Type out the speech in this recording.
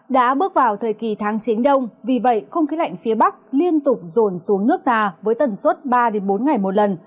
đã bước vào thời kỳ tháng chính đông vì vậy không khí lạnh phía bắc liên tục rồn xuống nước ta với tần suất ba bốn ngày một lần